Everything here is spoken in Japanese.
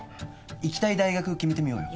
行きたい大学決めてみようよ